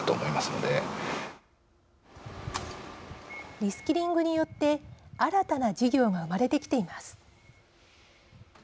リスキリングによって新たな事業が生まれてきています。